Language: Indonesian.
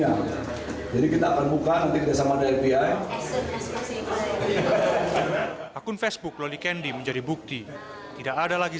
amerika latin dan sejumlahnya jadi kita akan buka untuk desa mada fbi